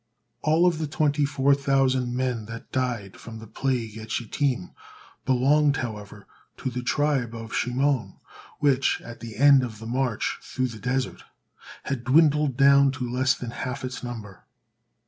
All of the twenty four thousand men that died from the plague at Shittim belonged, however, to the tribe of Simeon which, at the end of the march through the desert, had dwindles down to less than half its number.